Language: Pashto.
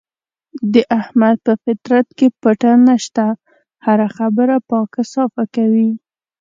د احمد په فطرت کې پټه نشته، هره خبره پاکه صافه کوي.